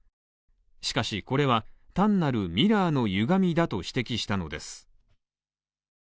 しかしこれは、単なるミラーのゆがみだと指摘したのです。